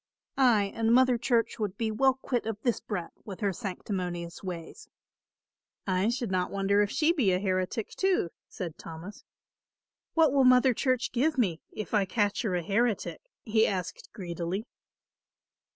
Ay, and Mother Church would be well quit of this brat with her sanctimonious ways." "I should not wonder if she be a heretic, too," said Thomas. "What will Mother Church give me, if I catch her a heretic?" he asked greedily.